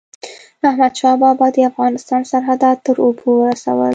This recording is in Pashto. احمدشاه بابا د افغانستان سرحدات تر اوبو ورسول.